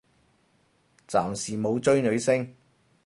暫時冇追女星